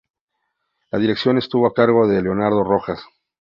La dirección estuvo a cargo de Leonardo Rojas.